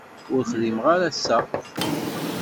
Ur xdimeɣ ara ass-a.